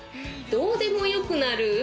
「どうでもよくなる？